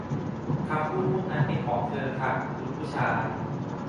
คำพูดพวกนั้นเป็นของเธอค่ะ คุณผู้ชาย